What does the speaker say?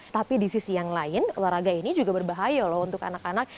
tapi di sisi yang lain olahraga ini juga berbahaya loh untuk anak anak